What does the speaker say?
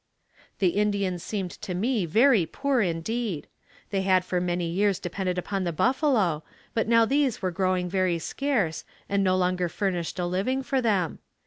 The Indians seemed to me very poor, indeed. They had for many years depended upon the buffalo but now these were growing very scarce and no longer furnished a living for them.